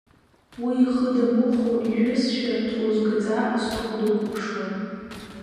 Уи ихы дамыхәо ижәызшәа, дҟәызгаӡа астол дықәыԥшуан.